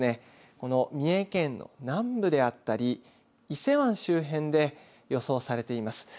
この三重県の南部であったり伊勢湾周辺で予想されています。